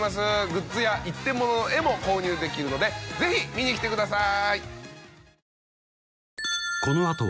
グッズや一点物の絵も購入できるのでぜひ見に来てください。